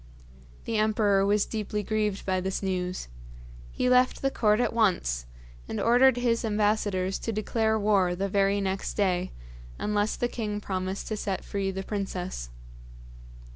The emperor was deeply grieved by this news. He left the court at once, and ordered his ambassadors to declare war the very next day, unless the king promised to set free the princess.